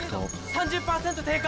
３０％低下！